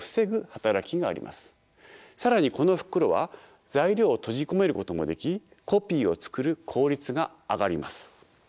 更にこの袋は材料を閉じ込めることもできコピーを作る効率が上がります。